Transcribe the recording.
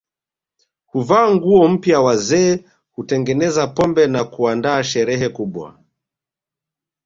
Huvaa nguo mpya wazee hutengeneza pombe na kuandaa sherehe kubwa